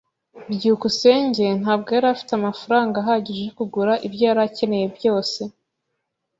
byukusenge ntabwo yari afite amafaranga ahagije yo kugura ibyo yari akeneye byose.